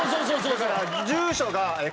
だから。